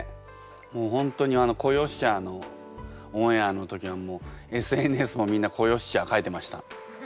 もう本当に「子よっしゃあ」のオンエアの時はもうＳＮＳもみんな「子よっしゃあ」書いてました。